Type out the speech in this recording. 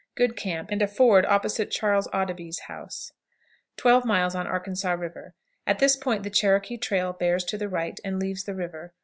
Good camp, and a ford opposite Charles Audebee's house. 12. Arkansas River. At this point the Cherokee trail bears to the right and leaves the river.